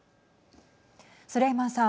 スレイマンさん。